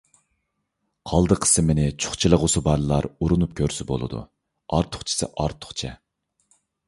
قالدى قىسمىنى چۇخچىلىغۇسى بارلار ئۇرۇنۇپ كۆرسە بولىدۇ. ئارتۇقچىسى ئارتۇقچە.